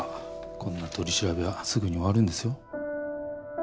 こんな取り調べはすぐに終わるんですよ